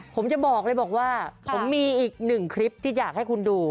ผมจะบอกเลยบอกว่าผมมีอีกหนึ่งคลิปที่อยากให้คุณดู